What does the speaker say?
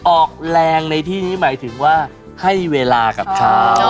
ออกแรงในที่นี้หมายถึงว่าให้เวลากับเขา